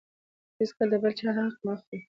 هېڅکله د بل چا حق مه خورئ.